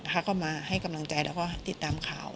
เขาก็มาให้กำลังใจแล้วก็ติดตามข่าว